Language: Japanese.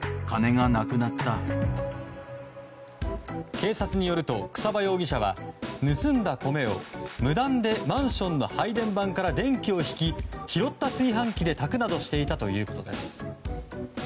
警察によると草場容疑者は盗んだ米を無断でマンションの配電盤から電気を引き拾った炊飯器で炊くなどしていたということです。